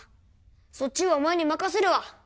そっちはお前に任せるわ